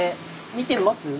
見てみます？